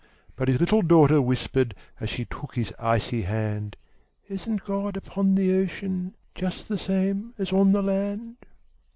But his little daughter whispered, As she took his icy hand, "Isn't God upon the ocean, Just the same as on the land?"